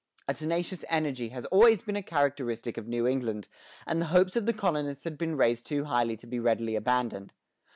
A tenacious energy has always been a characteristic of New England, and the hopes of the colonists had been raised too high to be readily abandoned.